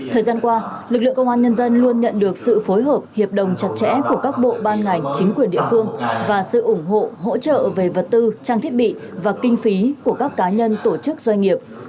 thời gian qua lực lượng công an nhân dân luôn nhận được sự phối hợp hiệp đồng chặt chẽ của các bộ ban ngành chính quyền địa phương và sự ủng hộ hỗ trợ về vật tư trang thiết bị và kinh phí của các cá nhân tổ chức doanh nghiệp